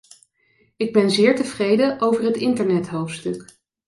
Ik ben zeer tevreden over het internethoofdstuk.